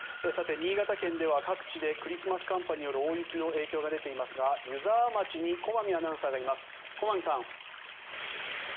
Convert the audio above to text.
新潟県では各地でクリスマス寒波による大雪の影響が出ていますが湯沢町に駒見アナウンサーがいます。